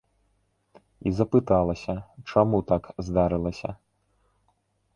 І запыталася, чаму так здарылася.